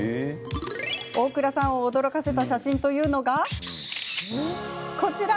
大倉さんを驚かせた写真というのが、こちら。